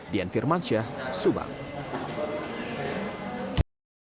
berita tersebut di intro